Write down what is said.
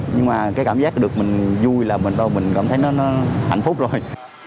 nhưng mà cái cảm giác được mình vui là mình cảm thấy nó hạnh phúc rồi